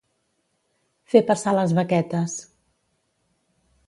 Fer passar les baquetes.